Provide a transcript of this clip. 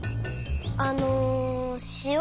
あのしお